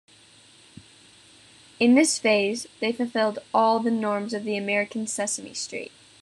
In this phase, they fulfilled all the norms of the American Sesame Street.